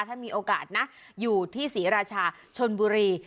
ถ้ามีโอกาสนะอยู่ที่ศรีราชาชนบุรี